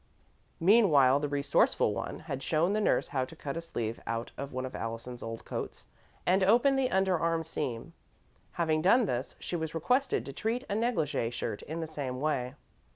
Meanwhile, the Resourceful One had shown the nurse how to cut a sleeve out of one of Allison's old coats, and open the under arm seam. Having done this, she was requested to treat a negligee shirt in the same way.